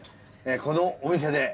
このお店で。